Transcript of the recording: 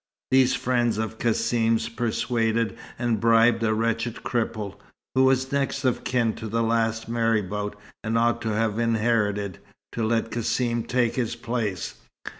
These friends of Cassim's persuaded and bribed a wretched cripple who was next of kin to the last marabout, and ought to have inherited to let Cassim take his place.